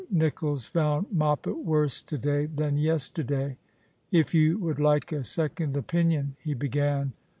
Nicholls found J^foppet worse to day than yesterday. " If you would like a second opinion " he began.